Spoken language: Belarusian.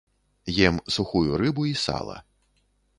Ем сухую рыбу і сала.